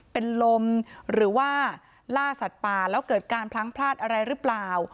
เป็นลมหรือว่าล่าสัตว์ป่าแล้วเกิดการพลั้งพลาดอะไรหรือเปล่า